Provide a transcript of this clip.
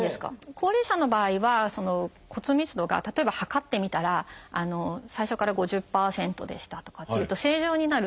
高齢者の場合は骨密度が例えば測ってみたら最初から５０％でしたとかっていうと正常になる